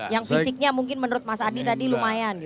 yang fisiknya mungkin menurut mas adi tadi lumayan